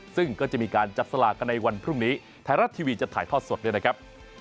ซึ่งก็จะมีการจับสลากกันในวันพรุ่งนี้ไทยรัฐทีวีจะถ่ายทอดสดด้วยนะครับ